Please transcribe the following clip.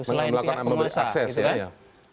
selain pihak penguasa gitu kan